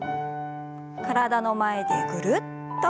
体の前でぐるっと。